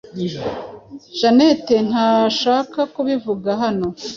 Janete ntashaka kubivuga hano.